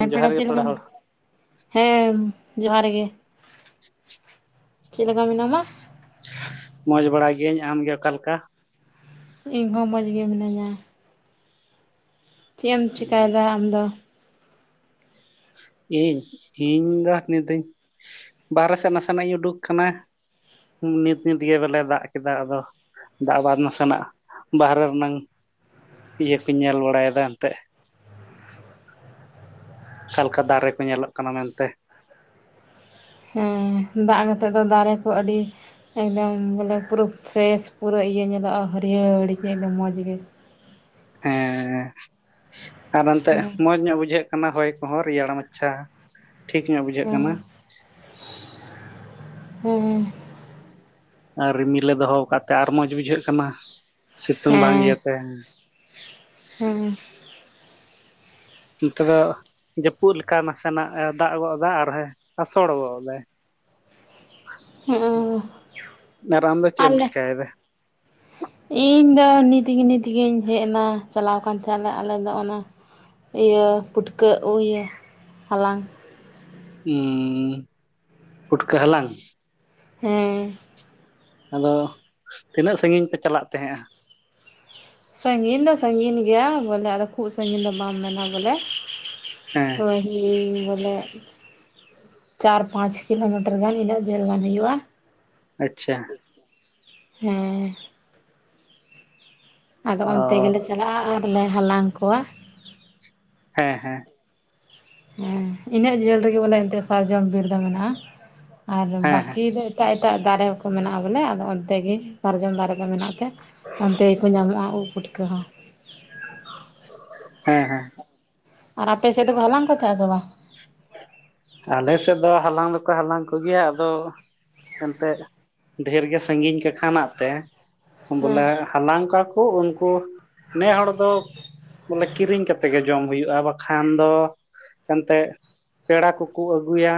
ᱦᱮᱸ ᱡᱚᱦᱟᱨ ᱯᱮᱲᱟ ᱜᱮ ᱪᱮᱜ ᱦᱚᱲ [inaudible] ᱦᱮᱸ ᱡᱚᱦᱟᱨ ᱜᱮ, ᱪᱮᱫ ᱞᱮᱠᱟ ᱢᱮᱱᱟᱢᱟ᱾ ᱢᱚᱸᱡᱽ ᱵᱟᱲᱟ ᱜᱤᱭᱟᱹᱧ ᱟᱢ ᱜᱮ ᱚᱠᱟᱞᱮᱠᱟ᱾ ᱤᱧ ᱦᱚᱸ ᱢᱚᱡᱽ ᱜᱮ ᱢᱤᱱᱟᱹᱧᱟ᱾ ᱪᱮᱜ ᱮᱢ ᱪᱤᱠᱟᱭᱮᱫᱟ ᱟᱢᱫᱚ᱾ ᱤᱧ ᱤᱧ ᱫᱚ ᱱᱤᱛᱟᱹᱧ ᱵᱟᱨᱦᱮ ᱥᱮᱫ ᱱᱟᱥᱮᱱᱟᱜ ᱤᱧ ᱩᱰᱩᱠ ᱟᱠᱟᱱᱟ᱾ ᱱᱤᱛ ᱱᱤᱛᱜᱮ ᱵᱚᱞᱮ ᱫᱟᱜ ᱠᱮᱫᱟ ᱟᱫᱚ᱾ ᱫᱟᱜ ᱵᱟᱫ ᱱᱟᱥᱮᱱᱟᱜ ᱵᱟᱦᱨᱮ ᱨᱮᱱᱟᱝ ᱤᱭᱟᱹ ᱠᱩᱧ ᱧᱮᱞ ᱵᱟᱲᱟᱭᱮᱫᱟ ᱮᱱᱛᱮᱫ᱾ ᱟᱠᱟ ᱞᱮᱠᱟ ᱫᱟᱨᱮ ᱠᱚ ᱧᱮᱞᱚᱜ ᱠᱟᱱᱟ ᱢᱮᱱᱛᱮ᱾ ᱦᱮᱸ ᱫᱟᱜ ᱠᱟᱛᱮ ᱫᱚ ᱫᱟᱨᱮ ᱠᱚ ᱟᱹᱰᱤ ᱮᱠᱫᱚᱢ ᱵᱚᱞᱮ ᱯᱩᱨᱟᱹ ᱯᱷᱨᱮᱥ ᱯᱩᱨᱟᱹ ᱤᱭᱟᱹ ᱧᱮᱞᱚᱜᱼᱟ ᱦᱟᱹᱨᱭᱟᱹᱲ ᱜᱮ ᱮᱠᱫᱚᱢ ᱢᱚᱡ ᱜᱮ᱾ ᱦᱮᱸ ᱟᱨ ᱚᱱᱛᱮ ᱦᱮᱸ ᱢᱚᱸᱡ ᱧᱚᱜ ᱵᱩᱡᱷᱟᱹᱜ ᱠᱟᱱᱟ ᱦᱚᱭ ᱠᱚᱦᱚᱸ ᱨᱮᱭᱟᱲ ᱢᱟᱪᱷᱟ ᱴᱷᱤᱠ ᱧᱚᱜ ᱵᱩᱡᱷᱟᱹᱜ ᱦᱮᱸ ᱠᱟᱱᱟ᱾ ᱦᱮᱸᱻ ᱟᱨ ᱨᱤᱢᱤᱞᱮ ᱫᱚᱦᱚ ᱠᱟᱫ ᱛᱮ ᱟᱨ ᱢᱚᱸᱡ ᱵᱩᱡᱷᱟᱹᱜ ᱠᱟᱱᱟ ᱥᱤᱛᱩᱝ ᱵᱟᱝ ᱦᱮᱸ ᱤᱭᱟᱹᱛᱮ᱾ ᱦᱮᱸ᱾ ᱩᱸ ᱛᱚᱵᱮ ᱡᱟᱹᱯᱩᱫ ᱞᱮᱠᱟ ᱱᱟᱥᱮᱱᱟᱜ ᱮ ᱫᱟᱜ ᱜᱚᱫ ᱫᱟ ᱟᱨ ᱦᱚᱭ ᱟᱥᱳᱲ ᱜᱚᱫ ᱫᱟᱭ᱾ ᱮᱸᱜᱮ᱾ ᱟᱨ ᱟᱢ ᱫᱚ ᱪᱮᱜ ᱮᱢ ᱪᱮᱠᱟᱭ ᱫᱟ? ᱤᱧ ᱫᱚ ᱱᱤᱛ ᱜᱤ ᱱᱤᱛ ᱜᱮᱧ ᱦᱮᱡ ᱱᱟ ᱪᱟᱞᱟᱣ ᱠᱟᱱ ᱛᱟᱦᱮᱸᱞᱮ ᱟᱞᱮ ᱫᱚ ᱚᱱᱟ ᱤᱭᱟᱹ ᱯᱩᱴᱠᱟᱹ ᱤᱭᱟᱹ ᱦᱟᱞᱟᱝ᱾ ᱩᱸ ᱯᱩᱴᱠᱟᱹ ᱦᱟᱞᱟᱝ? ᱦᱮᱸ᱾ ᱟᱫᱚ ᱛᱤᱱᱟᱹᱜ ᱥᱟᱺᱜᱤᱧ ᱯᱮ ᱪᱟᱞᱟᱜ ᱛᱟᱦᱮᱸᱜᱼᱟ? ᱥᱟᱺᱜᱤᱧ ᱫᱚ ᱥᱟᱺᱜᱤᱧ ᱜᱮᱭᱟ ᱵᱚᱞᱮ ᱟᱫᱚ ᱠᱷᱩᱵ ᱥᱟᱺᱜᱤᱧ ᱫᱚ ᱵᱟᱢ ᱢᱮᱱᱟ ᱵᱚᱞᱮ᱾ ᱦᱮᱸ ᱦᱚᱭ ᱤᱧ ᱵᱚᱞᱮ ᱪᱟᱨ ᱯᱟᱸᱪ ᱠᱤᱞᱳᱢᱤᱴᱟᱨ ᱜᱟᱱ ᱤᱱᱟᱹᱜ ᱡᱷᱟᱹᱞ ᱜᱟᱱ ᱦᱩᱭᱩᱜᱼᱟ᱾ ᱟᱪᱪᱷᱟ᱾ ᱦᱮᱸ᱾ ᱟᱫᱚ ᱚᱱᱛᱮ ᱚ ᱜᱮᱞᱮ ᱪᱟᱞᱟᱜᱼᱟ ᱟᱨ ᱞᱮ ᱦᱟᱞᱟᱝ ᱠᱚᱣᱟ᱾ ᱦᱮᱸ ᱦᱮᱸ᱾ ᱦᱮᱸ ᱤᱱᱟᱹᱜ ᱡᱷᱟᱹᱞ ᱨᱮᱜᱮ ᱵᱚᱞᱮ ᱮᱱᱛᱮᱫ ᱥᱟᱨᱡᱚᱢ ᱵᱤᱨ ᱫᱚ ᱢᱮᱱᱟᱜᱼᱟ, ᱟᱨ ᱦᱮᱸ ᱦᱮᱸ ᱵᱟᱹᱠᱤ ᱫᱚ ᱮᱴᱟᱜ ᱮᱴᱟᱜ ᱫᱟᱨᱮ ᱠᱚ ᱢᱮᱱᱟᱜᱼᱟ ᱵᱚᱞᱮ ᱟᱫᱚ ᱚᱱᱛᱮ ᱜᱮ ᱥᱟᱨᱡᱚᱢ ᱫᱟᱨᱮ ᱫᱚ ᱢᱮᱱᱟᱜ ᱛᱮ ᱚᱱᱛᱮ ᱜᱮᱠᱚ ᱧᱟᱢᱚᱜᱼᱟ ᱩᱵ ᱯᱩᱴᱠᱟᱹ ᱦᱚᱸ᱾ ᱦᱮᱸ ᱦᱮᱸ᱾ ᱟᱨ ᱟᱯᱮ ᱥᱮ ᱫᱚᱠᱚ ᱦᱟᱞᱟᱝ ᱠᱚ ᱛᱟᱸᱦᱮᱜ ᱥᱮ ᱵᱟᱝ? ᱟᱞᱮ ᱥᱮᱫ ᱫᱚ ᱦᱟᱞᱟᱝ ᱫᱚᱠᱚ ᱦᱟᱞᱟᱝ ᱠᱚᱜᱮᱭᱟ, ᱟᱫᱚ ᱮᱱᱛᱮᱡ ᱰᱷᱮᱨ ᱜᱮ ᱥᱟᱺᱜᱤᱧ ᱠᱟ ᱠᱷᱟᱱᱟᱜ ᱛᱮ ᱦᱮᱸ ᱵᱚᱞᱮ ᱦᱟᱞᱟᱝ ᱠᱚᱣᱭᱟᱠᱚ ᱩᱱᱠᱩ ᱱᱮ ᱦᱚᱲ ᱫᱚ ᱵᱚᱞᱮ ᱠᱤᱨᱤᱧ ᱠᱟᱛᱮ ᱜᱮ ᱡᱚᱢ ᱦᱩᱭᱩᱜᱼᱟ, ᱵᱟᱠᱷᱟᱱ ᱫᱚ ᱮᱱᱛᱮ ᱯᱮᱲᱟ ᱠᱩ ᱠᱚ ᱟᱹᱜᱩᱭᱟ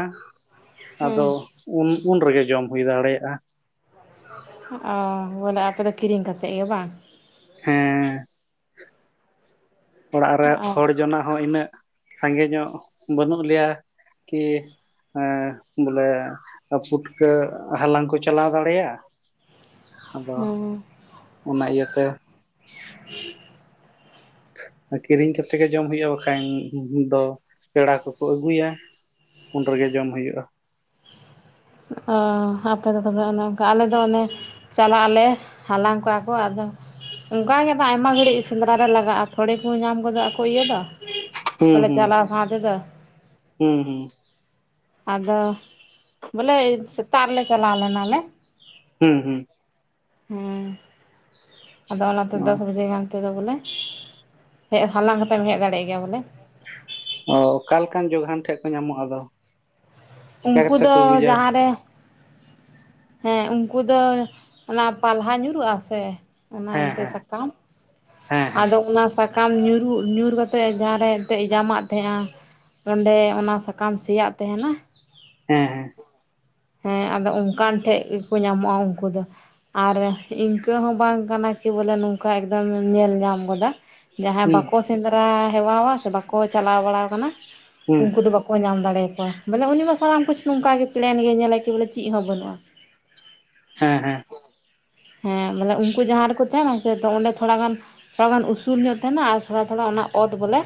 ᱟᱫᱚ ᱦᱮᱸ ᱩᱱ ᱩᱱ ᱨᱮᱜᱮ ᱡᱚᱢ ᱦᱩᱭ ᱫᱟᱲᱮᱭᱟᱜᱼᱟ᱾ ᱚᱻ ᱵᱚᱞᱮ ᱟᱯᱮᱫ ᱫᱚ ᱠᱤᱨᱤᱧ ᱠᱟᱛᱮᱫ ᱜᱮ ᱵᱟᱝ? ᱦᱮᱸ᱾ ᱚᱲᱟᱜ ᱨᱮ ᱚ ᱦᱚᱲ ᱡᱚᱱᱟ ᱦᱚᱸ ᱤᱱᱟᱹᱜ ᱥᱟᱸᱜᱮ ᱧᱚᱜ ᱵᱟᱹᱱᱩᱜ ᱞᱮᱭᱟ ᱠᱤ ᱮᱸ ᱵᱚᱞᱮ ᱯᱩᱴᱠᱟᱹ ᱦᱟᱞᱟᱝ ᱠᱚ ᱪᱟᱞᱟᱣ ᱫᱟᱲᱮᱭᱟᱜᱼᱟ᱾ ᱟᱫᱚ ᱦᱮᱸ ᱚᱱᱟ ᱤᱭᱟᱹᱛᱮ ᱠᱤᱨᱤᱧ ᱠᱟᱛᱮ ᱜᱮ ᱡᱚᱢ ᱦᱩᱭᱩᱜᱼᱟ ᱵᱟᱠᱷᱟᱱ ᱫᱚ ᱯᱮᱲᱟ ᱠᱚᱠᱚ ᱟᱹᱜᱩᱭᱟ᱾ ᱩᱱ ᱨᱮᱜᱮ ᱡᱚᱢ ᱦᱩᱭᱩᱭᱩᱜᱼᱟ᱾ ᱚ ᱟᱯᱮ ᱫᱚ ᱛᱚᱵᱮ ᱚᱱᱮ ᱚᱱᱠᱟ ᱟᱞᱮ ᱫᱚ ᱚᱱᱮ ᱪᱟᱞᱟᱜ ᱟᱞᱮ ᱦᱟᱞᱟᱝ ᱠᱚᱣᱭᱟ ᱠᱚ, ᱟᱫᱚ ᱚᱝᱠᱟᱟᱜᱮ ᱟᱫᱚ ᱟᱭᱢᱟ ᱜᱷᱟᱹᱲᱤᱡ ᱥᱮᱸᱫᱽᱨᱟ ᱨᱮ ᱞᱟᱜᱟᱜᱼᱟ᱾ ᱛᱷᱚᱲᱤ ᱠᱚ ᱧᱟᱢ ᱜᱚᱫᱟ ᱟᱠᱚ ᱤᱭᱟᱹ ᱫᱚ ᱦᱩᱸ ᱵᱚᱞᱮ ᱪᱟᱞᱟᱣ ᱥᱟᱶ ᱛᱮᱫᱚ᱾ ᱦᱩᱸ ᱦᱩᱸ᱾ ᱟᱫᱚ ᱵᱚᱞᱮ ᱥᱮᱛᱟᱜ ᱨᱮᱞᱮ ᱪᱟᱞᱟᱣ ᱞᱮᱱᱟ ᱞᱮ᱾ ᱦᱩᱸ ᱦᱩᱸ ᱦᱩ ᱟᱫᱚ ᱚᱱᱟᱛᱮ ᱫᱚ ᱦᱩᱸ ᱥᱚᱡᱷᱮ ᱜᱟᱱ ᱚᱱᱛᱮ ᱫᱚ ᱵᱚᱞᱮ ᱦᱮ ᱦᱟᱞᱟᱝ ᱠᱟᱛᱮᱢ ᱦᱮᱡ ᱫᱟᱲᱮᱭᱟᱜ ᱜᱮᱭᱟ ᱵᱚᱞᱮ ᱚ ᱚᱠᱟ ᱞᱮᱠᱟᱱ ᱡᱚᱜᱷᱟᱱ ᱴᱷᱮᱡ ᱠᱚ ᱧᱟᱢᱚᱜ-ᱟ ᱟᱫᱚ, ᱪᱮᱠᱟ ᱩᱱᱠᱩ ᱠᱟᱛᱮ ᱫᱚ ᱯᱮ ᱵᱩᱡᱟ᱾ ᱡᱟᱦᱟᱸ ᱨᱮ ᱦᱮᱸ ᱩᱱᱠᱩ ᱫᱚ ᱚᱱᱟ ᱯᱟᱞᱦᱟ ᱧᱩᱨᱩᱜᱼᱟ ᱥᱮ ᱚᱱᱟ ᱦᱮᱸ ᱮᱱᱛᱮ ᱦᱮᱸ ᱥᱟᱠᱟᱢ ᱦᱮᱸ ᱦᱮᱸ ᱟᱫᱚ ᱚᱱᱟ ᱥᱟᱠ ᱠᱟᱢ ᱧᱩᱨᱩᱜ ᱧᱩᱨ ᱠᱟᱛᱮᱫ ᱡᱟᱦᱟᱸᱨᱮ ᱮᱱᱛᱮ ᱡᱟᱢᱟᱜ ᱛᱟᱦᱮᱸᱜᱼᱟ ᱚᱸᱰᱮ ᱚᱱᱟ ᱥᱟᱠᱟᱢ ᱥᱮᱭᱟᱜ ᱛᱟᱦᱮᱱᱟ᱾ ᱦᱮᱸ ᱦᱮᱸ ᱦᱮᱸ ᱟᱫᱚ ᱚᱱᱠᱟᱱ ᱴᱷᱮᱜ ᱜᱮᱠᱚ ᱧᱟᱢᱚᱜᱼᱟ ᱩᱱᱠᱩ ᱫᱚ᱾ ᱟᱨ ᱤᱱᱠᱟᱹ ᱦᱚᱸ ᱵᱟᱝ ᱠᱟᱱᱟ ᱠᱤ ᱵᱚᱞᱮ ᱱᱚᱝᱠᱟ ᱮᱠᱫᱚᱢ ᱮᱢ ᱧᱮᱞ ᱧᱟᱢ ᱜᱚᱫᱟ᱾ ᱡᱟᱦᱟᱸᱭ ᱦᱩᱸ ᱵᱟᱠᱚ ᱥᱮᱸᱫᱽᱨᱟ ᱦᱮᱣᱟᱭᱟ ᱥᱮ ᱵᱟᱠᱚ ᱪᱟᱞᱟᱣ ᱵᱟᱲ ᱠᱟᱱᱟ᱾ ᱦᱩᱸ ᱩᱱᱠᱩ ᱫᱚ ᱵᱟᱠ ᱠᱚ ᱧᱟᱢ ᱫᱟᱲᱮᱭᱟᱠᱚᱣᱟ ᱾ ᱢᱟᱱᱮ ᱩᱱᱤ ᱡᱚᱠᱷᱟᱹᱡ ᱥᱟᱱᱟᱢ ᱠᱩᱪᱷ ᱱᱚᱝᱠᱟ ᱜᱮ ᱯᱞᱮᱱ ᱜᱮᱭ ᱧᱮᱞᱮ ᱠᱤ ᱵᱚᱞᱮ ᱪᱮᱫ ᱦᱚᱸ ᱵᱟᱹᱱᱩᱜᱼᱟ᱾ ᱦᱮᱸ ᱦᱮᱸ ᱦᱮᱸ ᱵᱚᱞᱮ ᱩᱱᱠᱩ ᱡᱟᱦᱟᱸ ᱨᱮᱠᱚ ᱛᱟᱦᱮᱱᱟ ᱥᱮ, ᱛᱚ ᱚᱸᱰᱮ ᱛᱷᱚᱲᱟ ᱜᱟᱱ ᱛᱷᱚᱲᱟ ᱜᱟᱱ ᱩᱥᱩᱞ ᱧᱚᱜ ᱛᱟᱦᱮᱱᱟ ᱟᱨ ᱛᱷᱚᱲᱟ ᱛᱷᱚᱲᱟ ᱚᱱᱟ ᱚᱛ ᱵᱚᱞᱮ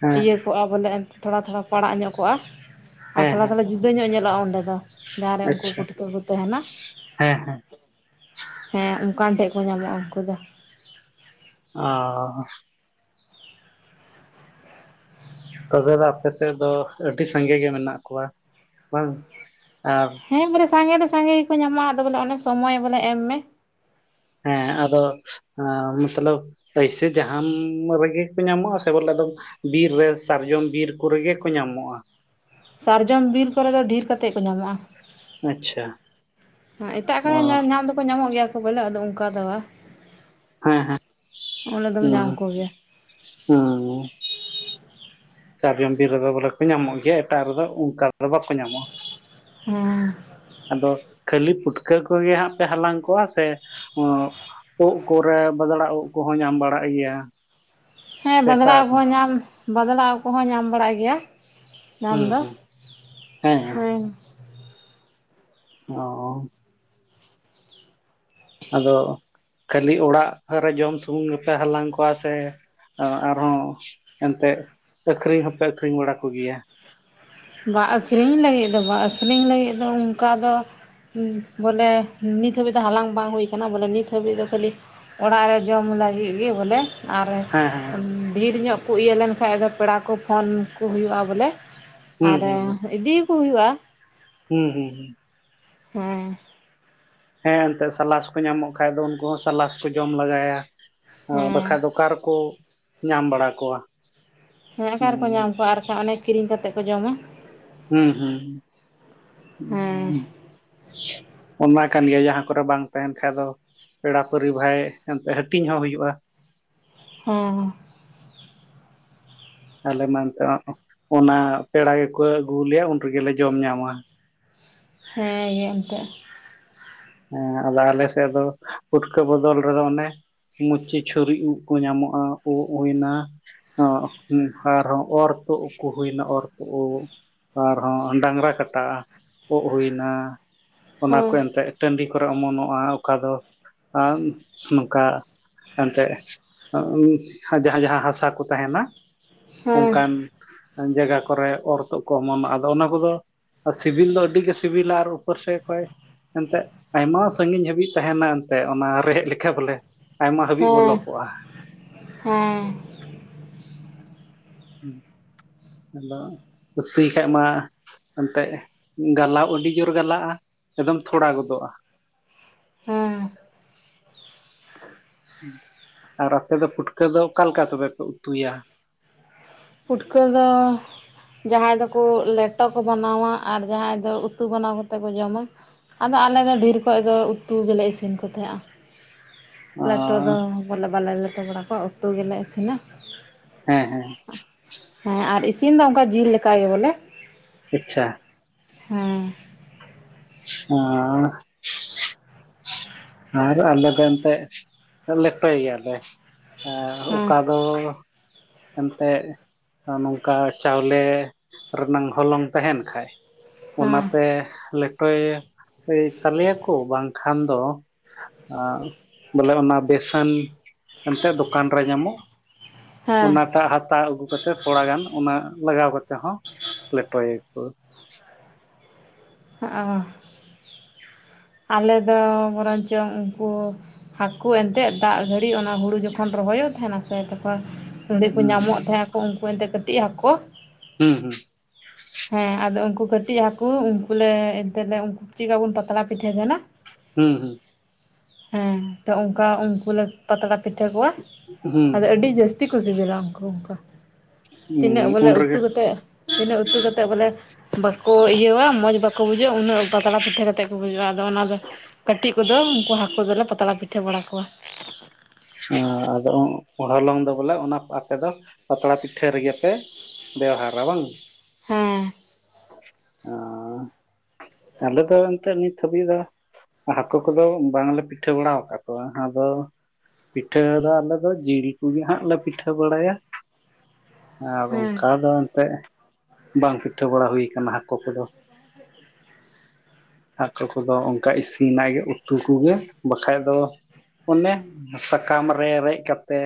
ᱦᱮᱸ ᱤᱭᱟᱹ ᱠᱚᱜᱼᱟ ᱵᱚᱞᱮ ᱮᱱᱛ ᱛᱷᱚᱲᱟ - ᱛᱷᱚᱲᱟ ᱯᱟᱲᱟᱜ ᱧᱚᱜ ᱠᱚᱜᱼᱟ᱾ ᱟᱨ ᱦᱮᱸ ᱛᱷᱚᱲᱟ ᱦᱮᱸ ᱫᱚᱞᱮ ᱡᱩ ᱡᱩᱫᱟᱹ ᱧᱚᱜ ᱧᱮᱞᱚᱜᱼᱟ ᱚᱸᱰᱮ ᱫᱚ, ᱡᱟᱦᱟᱸᱨᱮ ᱩᱱᱠᱩ ᱟᱪᱪᱷᱟ ᱯᱩᱴᱼᱠᱟᱹ ᱠᱚ ᱛᱟᱦᱮᱱᱟ᱾ ᱦᱮᱸ ᱦᱮᱸ ᱦᱮᱸ ᱚᱱᱠᱟᱱ ᱴᱷᱮᱜ ᱠᱚ ᱧᱟᱢᱚᱜᱼᱟ ᱩᱱᱠᱩ ᱫᱚ᱾ ᱚ ᱛᱚᱵᱮ ᱫᱚ ᱟᱯᱮ ᱥᱮᱫ ᱫᱚ ᱟᱹᱰᱤ ᱥᱟᱸᱜᱮ ᱜᱮ ᱢᱮᱱᱟᱜ ᱠᱚᱣᱟ ᱵᱟᱝ ᱟᱨ ᱦᱮᱸ ᱵᱚᱞᱮ ᱥᱟᱸᱜᱮ ᱫᱚ ᱥᱟᱸᱜᱮ ᱜᱮᱠᱚ ᱧᱟᱢᱚᱜᱼᱟ ᱟᱫᱚ ᱵᱚᱞᱮ ᱚᱱᱮ ᱥᱚᱢᱚᱭ ᱵᱚᱞᱮ ᱮᱢ ᱢᱮ᱾ ᱦᱮᱸ ᱟᱫᱚ ᱟᱸ ᱢᱚᱛᱞᱚᱵ ᱟᱭᱥᱟᱹ ᱡᱟᱢ ᱨᱮᱜᱮ ᱠᱚ ᱧᱟᱢᱚᱜᱼᱟ ᱥᱮ ᱵᱚᱞᱮ ᱫᱚᱢ ᱵᱤᱨ ᱨᱮ ᱥᱟᱨᱡᱚᱢ ᱵᱤᱨ ᱠᱚᱨᱮ ᱜᱮ ᱠᱚ ᱧᱟᱢᱚᱜᱼᱟ᱾ ᱥᱟᱨᱡᱚᱢ ᱵᱤᱨ ᱠᱚᱨᱮ ᱫᱚ ᱰᱷᱤᱨ ᱠᱟᱛᱮ ᱠᱚ ᱟᱪᱪᱷᱟ ᱧᱟᱢᱚᱜᱼᱟ᱾ ᱮᱴᱟᱜ ᱚ ᱠᱚᱨᱮ ᱦᱚᱸᱧᱟᱢ ᱫᱚᱠᱚ ᱧᱟᱢᱚᱜ ᱜᱮᱭᱟ ᱵᱚᱞᱮ ᱟᱫᱚ ᱚᱱᱠᱟ ᱫᱚ ᱵᱟᱜ ᱦᱮᱸ ᱦᱮᱸ ᱚᱰᱮ ᱫᱚ ᱫᱚᱢ ᱦᱩᱸ ᱧᱟᱢ ᱠᱚᱜᱮᱭᱟ᱾ ᱦᱩᱸ ᱥᱟᱨᱡᱚᱢ ᱵᱤᱨ ᱨᱮᱫᱚ ᱵᱚᱞᱮ ᱠᱚ ᱧᱟᱢᱚᱜ ᱜᱮᱭᱟ ᱮᱴᱟᱜ ᱨᱮᱫᱚ ᱚᱱᱠᱟᱫᱚ ᱵᱟᱠᱚ ᱧᱟᱢᱚᱜᱼᱟ᱾ ᱦᱚᱸ ᱟᱫᱚ ᱠᱷᱟᱹᱞᱤ ᱯᱩᱴᱠᱟᱹ ᱠᱚᱜᱮ ᱦᱟᱸᱜ ᱯᱮ ᱦᱟᱞᱟᱝ ᱠᱚᱣᱟ ᱥᱮ ᱩᱫ ᱠᱚᱨᱮ ᱵᱟᱫᱽᱲᱟ ᱩᱫ ᱠᱚᱦᱚᱸ ᱧᱟᱢ ᱵᱟᱲᱟᱜ ᱜᱮᱭᱟ ᱾ ᱦᱮᱸ ᱵᱟᱫᱽᱲᱟ ᱩᱱᱤ ᱠᱚᱦᱚᱸ ᱧᱟᱢ ᱵᱟᱫᱽᱲᱟᱣ ᱠᱚᱦᱚᱸ ᱧᱟᱢ ᱵᱟᱲᱟᱭ ᱜᱮᱭᱟ᱾ ᱧᱟᱢ ᱦᱩᱸ ᱫᱚ ᱦᱩᱸ ᱦᱮᱸ ᱚᱸ ᱟᱫᱚ ᱠᱷᱟᱹᱞᱤ ᱚᱲᱟᱜ ᱨᱮ ᱡᱚᱢ ᱥᱩᱢᱩᱝ ᱜᱮᱯᱮ ᱦᱟᱞᱟᱝ ᱠᱚᱣᱟ ᱥᱮ ᱚ ᱟᱨᱦᱚᱸ ᱮᱱᱛᱮᱫ ᱟᱹᱠᱷᱨᱤᱧ ᱦᱚᱸᱯᱮ ᱟᱹᱠᱷᱨᱤᱧ ᱵᱟᱲᱟ ᱠᱚᱜᱮᱭᱟ᱾ ᱵᱟᱝ ᱟᱠᱷᱨᱤᱧ ᱞᱟᱹᱜᱤᱫ ᱫᱚ ᱵᱟᱝ ᱟᱹᱠᱷᱨᱤᱧ ᱞᱟᱹᱜᱤᱫ ᱫᱚ ᱚᱱᱠᱟ ᱫᱚ᱾ ᱵᱚᱞᱮ ᱱᱤᱛ ᱦᱟᱹᱵᱤᱡ ᱫᱚ ᱦᱟᱞᱟᱝ ᱵᱟᱝ ᱦᱩᱭ ᱟᱠᱟᱱᱟ᱾ ᱵᱚᱞᱮ ᱱᱤᱛ ᱦᱟᱹᱵᱤᱡ ᱫᱚ ᱠᱷᱟᱹᱞᱤ ᱚᱲᱟᱜ ᱨᱮ ᱡᱚᱢ ᱞᱟᱹᱜᱤᱫ ᱜᱮ ᱵᱚᱞᱮ ᱟᱨ ᱦᱮᱸ ᱦᱮᱸ ᱰᱷᱮᱨᱧᱚᱜ ᱠᱚ ᱤᱭᱟᱹ ᱞᱮᱱ ᱠᱷᱟᱱ ᱟᱫᱚ ᱯᱮᱲᱟ ᱠᱚ ᱯᱷᱳᱱ ᱠᱚ ᱦᱩᱭᱩᱜᱼᱟ ᱵᱚᱞᱮ ᱦᱩᱸ ᱟᱨ ᱦᱩᱸ ᱤᱫᱤ ᱟᱠᱩ ᱦᱩᱭᱩᱜᱼᱟ ᱾ ᱦᱩᱸ ᱦᱩᱸ ᱦᱩᱸ ᱦᱩᱸ ᱦᱮᱸ ᱮᱱᱛᱮᱜ ᱥᱟᱞᱟᱥ ᱠᱚ ᱧᱟᱢᱚᱜ ᱠᱷᱟᱱ ᱫᱚ ᱩᱱᱠᱩ ᱦᱚᱸ ᱥᱟᱞᱟᱥ ᱠᱚ ᱡᱚᱢ ᱞᱮᱜᱟᱭᱟ᱾ ᱦᱮᱸ ᱵᱟᱠᱷᱟᱡ ᱫᱚ ᱚᱠᱟ ᱨᱮᱠᱚ ᱧᱟᱢ ᱵᱟᱲᱟ ᱠᱚᱣᱟ᱾ ᱦᱮᱸ ᱚᱠᱟ ᱨᱮᱠᱚ ᱦᱩᱸ ᱧᱟᱢ ᱠᱚᱣᱟ ᱟᱨᱠᱷᱟᱱ ᱚᱱᱮ ᱠᱤᱨᱤᱧ ᱠᱟᱛᱮᱮᱫ ᱠᱚ ᱡᱚᱢ ᱢᱟ᱾ ᱦᱮᱸ ᱦᱮᱸ ᱦᱮᱸ [unintelligible] ᱚᱱᱟ ᱠᱟᱱ ᱜᱮᱭᱟ ᱡᱟᱦᱟᱸ ᱠᱚᱨᱮ ᱵᱟᱝ ᱛᱟᱦᱮᱱ ᱠᱷᱟᱡ ᱫᱚ᱾ ᱯᱮᱲᱟ ᱯᱟᱹᱨᱤ ᱵᱷᱟᱭ ᱮᱱᱛᱮᱫ ᱦᱟᱹᱴᱤᱧ ᱦᱚᱸ ᱦᱩᱭᱩᱜᱼᱟ᱾ ᱦᱮᱸ ᱟᱞᱮ ᱢᱟ ᱮᱸᱛᱮ ᱚᱱᱟ ᱯᱮᱲᱟ ᱜᱮᱠᱚ ᱟᱹᱜᱩ ᱟ. ᱞᱮᱭᱟ ᱩᱱ ᱨᱮᱜᱮᱞᱮ ᱡᱚᱢ ᱧᱟᱢᱟ᱾ ᱦᱮᱸ ᱜᱮ ᱮᱱᱛᱮᱫ ᱦᱮᱸ ᱟᱫᱚ ᱟᱞᱮ ᱥᱮᱫ ᱫᱚ ᱯᱩᱴᱠᱟᱹ ᱵᱚᱫᱚᱞ ᱨᱮᱫᱚ ᱚᱱᱮᱼᱼ ᱢᱚᱪᱤ ᱪᱷᱩᱨᱤ ᱩᱵ ᱠᱚ ᱧᱟᱢᱚᱜᱼᱟ ᱩᱜ ᱦᱩᱭ ᱮᱱᱟ᱾ ᱦᱮᱸ ᱟᱨᱦᱚᱸ ᱚᱨ ᱛᱚᱜ ᱠᱚ ᱦᱩᱭᱱᱟ ᱚᱨ ᱛᱚᱜ ᱟᱨᱦᱚᱸ ᱰᱟᱝᱨᱟ ᱠᱟᱴᱟᱜᱼᱟ ᱚᱜ ᱦᱩᱭᱱᱟ ᱚᱱᱟ ᱠᱚ ᱦᱮᱸ ᱮᱱᱛᱮᱫᱼᱼ ᱴᱟᱹᱰᱤ ᱠᱚᱨᱮ ᱚᱢᱚᱱᱚᱜᱼᱟ ᱚᱠᱟ ᱫᱚ ᱱᱚᱝᱠᱟ ᱮᱱᱛᱮᱫ ᱡᱟᱦᱟᱸ ᱡᱟᱦᱟᱸ ᱦᱟᱥᱟ ᱠᱚ ᱛᱟᱦᱮᱱᱟ ᱦᱮᱸ ᱚᱱᱠᱟᱱᱼᱼ ᱡᱟᱭᱜᱟ ᱠᱚᱨᱮ ᱚᱨ ᱛᱚᱜ ᱠᱚ ᱚᱢᱱᱚᱜᱼᱟ ᱟᱫᱚ ᱚᱱᱟ ᱠᱚᱫᱚᱼᱼ ᱟᱨ ᱥᱤᱵᱤᱞ ᱫᱚ ᱟᱹᱰᱤ ᱜᱮ ᱥᱤᱵᱤᱞᱟ ᱟᱨ ᱩᱯᱚᱨ ᱥᱮᱫ ᱠᱷᱚᱡ ᱮᱱᱛᱮᱫᱼᱼ ᱟᱭᱢᱟ ᱥᱟᱹᱜᱤᱧ ᱦᱟᱹᱵᱤᱡ ᱛᱟᱦᱮᱱᱟ ᱮᱱᱛᱮᱫ ᱚᱱᱟ ᱨᱮᱦᱮᱫ ᱞᱮ ᱞᱮᱠᱟᱷᱟ ᱵᱚᱞᱮ ᱟᱭᱢᱟ ᱦᱟᱹᱵᱤᱡ ᱵᱚᱞᱚ ᱠᱚᱚᱜᱼᱟ᱾ ᱦᱮᱸ ᱟᱫᱚ ᱩᱛᱩᱭ ᱠᱷᱟᱱ ᱢᱟ ᱮᱱᱛᱮᱫ ᱜᱟᱞᱟᱣ ᱟᱹᱰᱤ ᱡᱳᱨ ᱜᱟᱞᱟᱜᱼᱟ ᱮᱠᱫᱚᱢ ᱛᱷᱚᱲᱟ ᱜᱚᱫᱚᱜᱼᱟ᱾ ᱦᱮᱸ ᱟᱨ ᱟᱯᱮ ᱫᱚ ᱯᱩᱴᱠᱟᱹ ᱫᱚ ᱚᱠᱟ ᱞᱮᱠᱟ ᱯᱮ ᱠᱚ ᱩᱛᱩᱭᱟ᱾ ᱯᱩᱴᱠᱟᱹ ᱫᱚᱼᱼ ᱡᱟᱦᱟᱸᱭ ᱫᱚᱠᱚ ᱞᱮᱴᱚ ᱠᱚ ᱵᱮᱱᱟᱣᱟ ᱟᱨ ᱡᱟᱦᱟᱸᱭ ᱫᱚ ᱩᱛᱩ ᱵᱮᱱᱟᱣ ᱠᱟᱛᱮ ᱠᱚ ᱡᱚᱢᱟ᱾ ᱟᱫᱚ ᱟᱞᱮᱫᱚ ᱰᱷᱮᱨ ᱠᱷᱚᱱ ᱫᱚ ᱩᱛᱩ ᱜᱮᱞᱮ ᱤᱥᱤᱱ ᱠᱚ ᱛᱟᱦᱮᱸᱜᱼᱟ᱾ ᱞᱮᱴᱚ ᱫᱚ ᱵᱚᱞᱮ ᱵᱟᱞᱮ ᱞᱮᱴᱚ ᱵᱟᱲᱟ ᱠᱚᱣᱟ ᱩᱛᱩ ᱜᱮᱞᱮ ᱤᱥᱤᱱᱟ᱾ ᱦᱮᱸ ᱦᱮᱸ ᱦᱮᱸ ᱟᱨ ᱤᱥᱤᱱ ᱫᱚ ᱚᱱᱠᱟ ᱡᱤᱞ ᱞᱮᱠᱟ ᱜᱮ ᱵᱚᱞᱮᱼᱼ ᱟᱪᱪᱷᱟ ᱦᱮᱸ ᱟᱸᱻ ᱟᱨ ᱟᱞᱮ ᱫᱚ ᱮᱱᱛᱮᱫ ᱞᱮᱴᱚᱭ ᱜᱮᱭᱟᱞᱮ ᱦᱮᱸ ᱚᱠᱟ ᱫᱚᱼᱼ ᱮᱱᱛᱮᱫ ᱱᱚᱝᱠᱟ ᱪᱟᱣᱞᱮ ᱨᱮᱱᱟᱝ ᱦᱚᱞᱚᱝ ᱛᱟᱦᱮᱱ ᱠᱷᱟᱡ ᱚᱱᱟᱛᱮ ᱦᱮᱸ ᱞᱮᱴᱚᱭ ᱛᱟᱞᱮ ᱭᱟᱠᱚ ᱵᱟᱝ ᱠᱷᱟᱱ ᱫᱚ, ᱵᱚᱞᱮ ᱚᱱᱟ ᱵᱮᱥᱚᱱ ᱮᱱᱛᱮᱫ ᱫᱚᱠᱟᱱ ᱨᱮ ᱧᱟᱢᱚᱜ᱾ ᱦᱮᱸ ᱚᱱᱟᱴᱟᱜ ᱦᱟᱛᱟᱣ ᱟᱹᱜᱩ ᱠᱟᱛᱮ ᱛᱷᱚᱲᱟ ᱜᱟᱱ ᱚᱱᱟ ᱞᱟᱜᱟᱣ ᱠᱟᱛᱮ ᱦᱚᱸ ᱞᱮᱴᱚᱭᱟᱠᱚ᱾ ᱚᱻ ᱟᱞᱮᱫᱚ ᱵᱚᱨᱚᱝ ᱪᱚᱝ ᱩᱱᱠᱩᱼᱼ ᱦᱟᱹᱠᱩ ᱮᱱᱛᱜ ᱫᱟᱜ ᱜᱷᱟᱹᱲᱤᱡ ᱚᱱᱟ ᱦᱩᱲᱩ ᱡᱚᱠᱷᱚᱱ ᱨᱚᱦᱚᱭᱚᱜ ᱛᱟᱦᱮᱱᱟ ᱥᱮ ᱛᱚᱠᱷᱚᱱ ᱚᱸᱰᱮᱠᱚ ᱦᱩᱸ ᱧᱟᱢᱚᱜ ᱛᱟᱦᱮᱸᱱᱟ ᱩᱱᱠᱩ ᱮᱱᱛᱮ ᱠᱟᱹᱴᱤᱡ ᱦᱟᱹᱠᱩ, ᱦᱩᱸ, ᱦᱩᱸ ᱦᱮᱸ ᱟᱫᱚ ᱩᱱᱠᱩ ᱠᱟᱹᱴᱤᱡ ᱦᱟᱹᱠᱩ ᱩᱱᱠᱩᱞᱮ ᱮᱱᱛᱮᱞᱮ ᱩᱱᱠᱩ ᱪᱮᱫ ᱞᱮᱠᱟ ᱵᱚᱱ ᱯᱟᱛᱲᱟ ᱯᱤᱴᱷᱟᱹ ᱛᱟᱦᱮᱸᱱᱟᱼᱼ ᱦᱩᱸ ᱦᱩᱸ ᱦᱮᱸ ᱛᱚ ᱚᱝᱠᱟ ᱩᱱᱠᱩ ᱞᱮᱠ ᱯᱟᱛᱲᱟ ᱯᱤᱴᱷᱟᱹ ᱠᱚᱣᱟ ᱦᱩᱸ ᱟᱫᱚ ᱟᱹᱰᱤ ᱡᱟᱹᱥ ᱛᱤ ᱠᱚ ᱥᱤᱵᱤᱞᱟ ᱩᱱᱠᱩ ᱚᱝᱠᱟ ᱦᱩᱸ ᱛᱤᱱᱟᱹᱜ ᱵᱚᱞᱮ ᱩᱱ ᱩᱛᱩ ᱨᱮᱜᱮ ᱠᱟᱛᱮ ᱛᱤᱱᱟᱹᱜ ᱩᱛᱩ ᱠᱟ ᱛᱮ ᱵᱚᱞᱮ ᱵᱟᱠᱚ ᱤᱭᱟᱹᱣᱟ ᱢᱚᱡ ᱵᱟᱠᱚ ᱵᱩᱡᱷᱟᱹᱜᱼᱟ, ᱩᱱᱟᱹᱜ ᱯᱟᱛᱲᱟ ᱯᱤᱴᱷᱟᱹ ᱠᱟᱛᱮᱜ ᱠᱚ ᱵᱩᱡᱩᱜᱼᱟ᱾ ᱟᱫᱚ ᱚᱱᱟ ᱫᱚ ᱠᱟᱹᱴᱤᱡ ᱠᱚᱫᱚ ᱩᱝᱠᱩ ᱦᱟᱹᱠᱩ ᱫᱚᱞᱮ ᱯᱟᱛᱲᱟ ᱯᱤᱴᱷᱟᱹ ᱵᱟᱲᱟ ᱠᱚᱣᱟ᱾ ᱚ ᱟᱫᱚ ᱦᱚᱞᱚᱝ ᱫᱚ ᱵᱚᱞᱮ ᱚᱱᱟ ᱟᱯᱮ ᱫᱚ ᱯᱟᱛᱲᱟ ᱯᱤᱴᱷᱟᱹ ᱨᱮᱜᱮ ᱯᱮ ᱵᱮᱣᱦᱟᱨᱟ ᱵᱟᱝ? ᱦᱮᱸ᱾ ᱚ ᱛᱟᱦᱞᱮ ᱛᱚ ᱮᱱᱛᱮᱜ ᱱᱤᱛ ᱦᱟᱹᱵᱤᱡ ᱫᱚ ᱦᱟᱹᱠᱩ ᱠᱚᱫᱚ ᱵᱟᱝᱞᱮ ᱯᱤᱴᱷᱟᱹ ᱵᱟᱲᱟ ᱠᱟᱜ ᱠᱚᱣᱟ, ᱟᱫᱚ ᱯᱤᱴᱷᱟᱹ ᱫᱚ ᱟᱞᱮ ᱫᱚ ᱡᱤᱞ ᱠᱚᱜᱮ ᱦᱟᱸᱜ ᱞᱮ ᱯᱤᱴᱷᱟᱹ ᱵᱟᱲᱟᱭᱟ᱾ ᱟᱨ ᱦᱮᱸ ᱚᱝᱠᱟ ᱫᱚ ᱮᱱᱛᱮᱫ ᱵᱟᱝ ᱯᱤᱴᱷᱟᱹ ᱵᱟᱲᱟ ᱦᱩᱭ ᱠᱟᱱᱟ ᱦᱟᱹᱠᱳ ᱠᱚᱫᱚ᱾ ᱦᱟᱹᱠᱳ ᱠᱚᱫᱚ ᱚᱝᱠᱟ ᱤᱥᱤᱱᱟ ᱜᱮ ᱩᱛᱩ ᱠᱚᱜᱮ ᱵᱟᱠᱷᱟᱡ ᱫᱚ ᱚᱱᱮ ᱥᱟᱠᱟᱢ ᱨᱮ ᱨᱮᱡ ᱠᱟᱛᱮ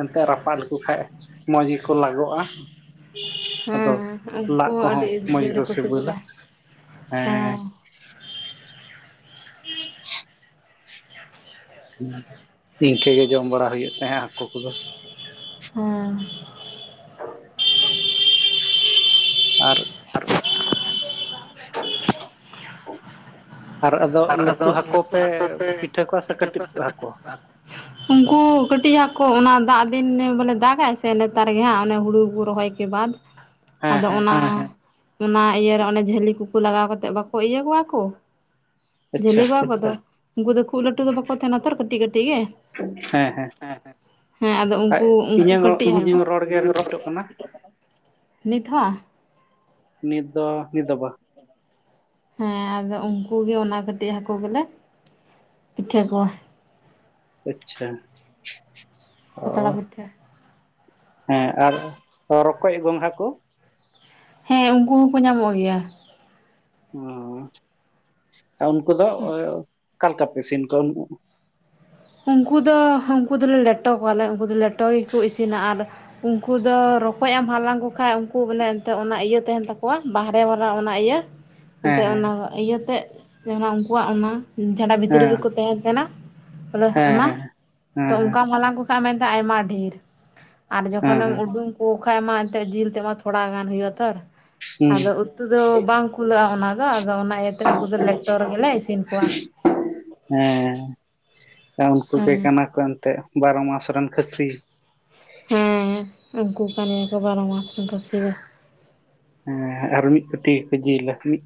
ᱮᱱᱛᱮ ᱨᱟᱯᱟᱜ ᱞᱮᱠᱚ ᱠᱷᱟᱱ ᱢᱚᱡ ᱜᱮᱠᱚ ᱞᱟᱜᱚᱜᱼᱟ, ᱟᱫᱚ ᱦᱮᱸ ᱩᱱᱠᱩ ᱞᱟᱜ ᱠᱚᱦᱚᱸ ᱟᱹᱰᱤ ᱢᱚᱡ ᱡᱳᱨ ᱜᱮᱠᱚ ᱥᱤᱵᱮᱞᱟ ᱥᱤᱵᱤᱞᱟ ᱦᱮᱸ᱾ [inaudible] ᱩᱸ ᱤᱝᱠᱟᱹ ᱜᱮ ᱡᱚᱢ ᱵᱟᱲᱟ ᱦᱩᱭᱩᱜ ᱛᱟᱦᱮᱸᱫ ᱦᱟᱹᱠᱳ ᱠᱚᱫᱚ᱾ ᱦᱮᱸ᱾ ᱟᱨ ᱟᱨ ᱟᱫᱚ ᱞᱟᱹᱴᱩ ᱦᱟᱹᱠᱳ ᱯᱮ ᱯᱤᱴᱷᱟᱹ ᱠᱚᱣᱟ ᱥᱮ ᱠᱟᱹᱴᱤᱡ ᱦᱟᱹᱠᱳ? ᱦᱚᱸ ᱠᱟᱹᱴᱤᱪ ᱦᱟᱹᱠᱳ ᱚᱱᱟ ᱫᱟᱜ ᱫᱤᱱ ᱵᱚᱞᱮ ᱫᱟᱜᱟᱭ ᱥᱮ ᱱᱮᱛᱟᱨ ᱜᱮ ᱦᱟᱸᱜ ᱚᱱᱮ ᱦᱩᱲᱩ ᱠᱚ ᱨᱚᱦᱚᱭ ᱠᱮ ᱵᱟᱫ ᱦᱮᱸ ᱟᱫᱚ ᱦᱮᱸ ᱚᱱᱟ ᱚᱱᱟ ᱤᱭᱟᱹᱨᱮ ᱚᱱᱮ ᱡᱷᱟᱹᱞᱤ ᱠᱩᱠᱩ ᱞᱟᱜᱟᱣ ᱠᱟᱛᱮᱫ ᱵᱟᱠᱚ ᱤᱭᱟᱹ ᱠᱚᱣᱟ ᱠᱚ? ᱟᱪᱪᱷᱟ ᱡᱷᱟᱞᱤ ᱠᱚᱣᱟ ᱠᱚᱫᱚ ᱩᱱᱠᱩ ᱫᱚ ᱠᱷᱩᱜ ᱞᱟᱹᱴᱩ ᱫᱚ ᱵᱟᱠᱚ ᱛᱟᱦᱮᱱᱟ ᱛᱚ ᱠᱟᱹᱴᱤᱡ ᱠᱟᱹᱴᱤᱡ ᱜᱮ᱾ ᱦᱮᱸ ᱦᱮᱸ᱾ ᱦᱮᱸ ᱟᱫᱚ ᱟᱡ ᱩᱝᱠᱩ ᱩᱝᱠᱩ ᱤᱧᱟᱹᱝ ᱨᱚ- ᱠᱟᱹᱴᱤᱡ ᱦᱟᱹᱠᱩ ᱤᱧᱟᱹᱝ ᱨᱚᱲ ᱜᱮ ᱨᱤᱯᱤᱴᱚᱜ ᱠᱟᱱᱟ ᱱᱤᱛ ᱦᱟ? ᱱᱤᱛ ᱫᱚ ᱱᱤᱛ ᱫᱚ ᱵᱟᱝ᱾ ᱦᱮᱸ ᱟᱫᱚ ᱩᱱᱠᱩ ᱜᱮ ᱚᱱᱟ ᱠᱟᱹᱴᱤᱡ ᱦᱟᱹᱠᱩ ᱜᱮᱞᱮ ᱯᱤᱴᱷᱟᱹ ᱠᱚᱣᱟ᱾ ᱟᱪᱪᱷᱟ᱾ ᱚ ᱯᱟᱛᱲᱟ ᱯᱤᱴᱷᱟᱹ᱾ ᱦᱮᱸ ᱟᱨ ᱨᱚᱠᱚᱡ ᱜᱚᱸᱜᱷᱟ ᱠᱩ? ᱦᱮᱸ ᱩᱱᱠᱩ ᱦᱚᱸᱠᱚ ᱧᱟᱢᱚᱜ ᱜᱮᱭᱟ᱾ ᱚ ᱩᱱᱠᱩ ᱫᱚ ᱚᱠᱟᱞᱮᱠᱟ ᱯᱮ ᱤᱥᱤᱱ ᱠᱚᱣᱟ? ᱩᱝᱠᱩ ᱫᱚ ᱩᱝᱠᱩ ᱫᱚᱞᱮ ᱞᱮᱴᱚ ᱠᱚᱣᱟᱞᱮ ᱩᱝᱠᱩ ᱫᱚ ᱞᱮᱴᱚ ᱜᱮᱠᱚ ᱤᱥᱤᱱᱟ, ᱟᱨ ᱩᱝᱠᱩ ᱫᱚ ᱨᱚᱠᱚᱡ ᱮᱢ ᱦᱟᱞᱟᱝ ᱠᱚ ᱠᱷᱟᱡ ᱩᱝᱠᱩ ᱵᱚᱞᱮ ᱢᱟᱱᱮ ᱮᱱᱛᱮᱫ ᱚᱱᱟ ᱤᱭᱟᱹ ᱛᱟᱦᱮᱸᱱ ᱛᱟᱠᱚᱣᱟ, ᱵᱟᱦᱨᱮ ᱵᱟᱞᱟ ᱚᱱᱟ ᱤᱭᱟᱹ ᱮᱱᱛᱮᱜ ᱚᱱᱟ ᱦᱮᱸ ᱤᱭᱟᱹᱛᱮ ᱡᱟᱦᱟᱸ ᱩᱱᱠᱩᱣᱟᱜ ᱚᱱᱟ ᱡᱷᱟᱰᱟ ᱵᱷᱤᱛᱨᱤ ᱦᱮᱸ ᱨᱮᱠᱚ ᱛᱟᱦᱮᱸᱱ ᱛᱟᱦᱮᱱᱟ ᱵᱚᱞᱮ ᱦᱮᱸ ᱦᱮᱸ ᱚᱱᱟ, ᱦᱮᱸ ᱛᱚ ᱦᱮᱸ ᱚᱝᱠᱟᱢ ᱦᱟᱞᱟᱝ ᱠᱚ ᱢᱮᱱᱛᱮ ᱟᱭᱢᱟ ᱰᱷᱮᱨ ᱟᱨ ᱦᱮᱸ ᱡᱚᱠᱷᱚᱱᱮᱢ ᱦᱮᱸ ᱩᱰᱩᱝ ᱯᱩ ᱠᱷᱟ ᱢᱟ ᱮᱱᱛᱮᱫ ᱡᱤᱞ ᱛᱮᱢᱟ ᱛᱷᱚᱲᱟ ᱜᱟᱱ ᱦᱩᱭᱩᱜᱼᱟ ᱛᱚᱨ ᱦᱮᱸ ᱟᱫᱚ ᱩᱛᱩ ᱫᱚ ᱵᱟᱝ ᱠᱩᱞᱟᱹᱜᱼᱟ, ᱚᱱᱟ ᱫᱚ ᱟᱫᱚ ᱚᱱᱟ ᱤᱭᱟᱹᱛᱮ ᱩᱝᱠᱩ ᱫᱚ ᱞᱮᱴᱚ ᱨᱮᱜᱮᱞᱮ ᱤᱥᱤᱱ ᱠᱚᱣᱟ᱾ ᱦᱮᱸ ᱩᱱᱠᱩ ᱜᱮ ᱠᱟᱱᱟ ᱠᱚ ᱮᱱᱛᱮᱜ ᱵᱟᱨᱚ ᱢᱟᱥ ᱨᱮᱱ ᱠᱷᱟᱹᱥᱤ᱾ ᱦᱮᱸ ᱩᱝᱠᱩ ᱠᱟᱱ ᱜᱮᱭᱟ ᱠᱚ ᱵᱟᱨᱚ ᱢᱟᱥ ᱨᱮᱱ ᱠᱷᱟᱹᱥᱤ ᱫᱚ᱾ ᱦᱮᱸ ᱟᱨ ᱢᱤᱫ ᱠᱩᱴᱤ ᱜᱮᱠᱚ ᱡᱤᱞᱟ, ᱢᱤᱫ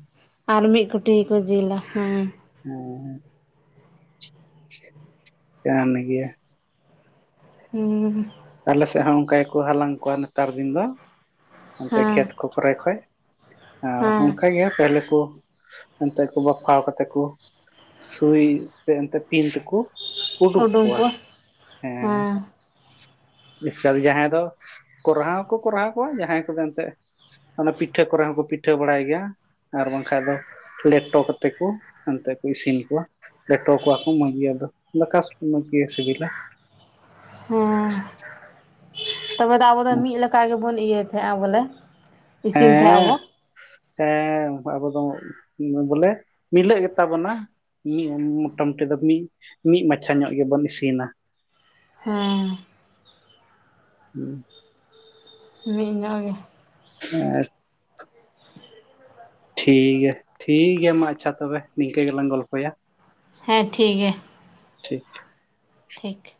ᱟᱨ ᱢᱤᱫᱠᱩᱴᱤ ᱠᱩ ᱡᱤᱞᱟ ᱦᱮᱸ, ᱦᱮᱸ᱾ ᱠᱟᱱ ᱜᱮᱭᱟ, ᱦᱩᱸᱻ ᱾ ᱟᱞᱮ ᱥᱮᱜ ᱦᱚᱸ ᱚᱱᱠᱟ ᱜᱮᱠᱩ ᱦᱟᱞᱟᱝ ᱠᱩᱣᱟ ᱱᱮᱛᱟᱨ ᱫᱤᱱ ᱫᱚ, ᱚᱱᱛᱮ ᱦᱮᱸ ᱠᱷᱮᱛ ᱠᱩ ᱠᱚᱨᱮ ᱠᱷᱳᱪ, ᱟᱨ ᱦᱮᱸ ᱚᱱᱠᱟ ᱜᱮ ᱯᱮᱦᱮᱞᱮ ᱠᱩ ᱚᱱᱛᱮ ᱠᱩ ᱵᱟᱯᱷᱟᱣ ᱠᱟᱛᱮ ᱠᱩ ᱥᱩᱭ ᱛᱮᱱᱛᱮ ᱯᱤᱞ ᱛᱤᱠᱩ, ᱩᱰᱩᱠ ᱩᱰᱩᱝ ᱠᱩᱣᱟ, ᱠᱚ ᱦᱮᱸ ᱵᱤᱥᱟᱞ ᱡᱟᱦᱟᱸᱭ ᱫᱚ ᱠᱚᱨᱦᱟᱣ ᱦᱳ ᱠᱚ ᱠᱚᱨᱦᱟ ᱠᱚᱣᱟ ᱡᱟᱦᱟᱸᱭ ᱠᱩᱫᱚ ᱮᱱᱛᱮ᱾ ᱚᱱᱟ ᱯᱤᱴᱷᱟᱹ ᱠᱚᱨᱮ ᱦᱚᱸᱠᱚ ᱯᱤᱴᱷᱟᱹ ᱵᱟᱲᱟᱭ ᱜᱮᱭᱟ ᱟᱨ ᱵᱟᱝ ᱠᱷᱟᱱ ᱫᱚ ᱞᱮᱴᱚ ᱠᱟᱛᱮ ᱠᱩ ᱦᱟᱱᱛᱮ ᱠᱩ ᱤᱥᱤᱱ ᱠᱩᱣᱟ, ᱞᱮᱴᱚ ᱠᱚᱣᱟ ᱠᱩ ᱢᱚᱡᱽ ᱜᱮ ᱟᱫᱚ ᱫᱟᱠᱟ ᱢᱚᱡᱽ ᱜᱤ ᱥᱤᱵᱤᱞᱟ᱾ ᱦᱮᱸ ᱛᱚᱵᱮ ᱫᱚ ᱟᱵᱚ ᱫᱚ ᱢᱤᱫ ᱞᱮᱠᱟ ᱜᱮ ᱵᱚᱱ ᱤᱭᱟᱹᱭ ᱛᱟᱦᱮᱸᱜᱼᱟ ᱵᱚᱞᱮ ᱤᱥᱤᱱ ᱛᱟᱦᱮᱸ ᱦᱮᱸ ᱟᱵᱚ, ᱦᱮᱸ ᱟᱵᱩ ᱫᱚ ᱵᱚᱞᱮ ᱢᱤᱞᱟᱹᱜ ᱜᱮᱛᱟ ᱵᱩᱱᱟ ᱾ ᱢᱤᱫ ᱢᱚᱴᱟᱢᱩᱴᱤ ᱫᱚ ᱢᱤᱫ ᱢᱤᱫ ᱢᱟᱪᱷᱟ ᱧᱚᱜ ᱜᱮᱵᱚᱱ ᱤᱥᱤᱱᱟ ᱾ ᱦᱮᱸᱻ, [inaudible] ᱢᱤᱫ ᱧᱚᱸᱜ ᱜᱮ, [unintelligible] [inaudible] ᱴᱷᱤᱠ ᱜᱤᱭᱟ ᱴᱷᱤᱠ ᱜᱤᱭᱟ ᱢᱟ ᱟᱪᱪᱷᱟ ᱛᱚᱵᱮ ᱱᱤᱝᱠᱟᱹ ᱜᱮᱞᱟᱝ ᱜᱚᱞᱯᱷᱚᱭᱟ᱾ ᱦᱮᱸ ᱴᱷᱤᱠ ᱜᱤᱭᱟ᱾ ᱴᱷᱤᱠ, ᱴᱷᱤᱠ,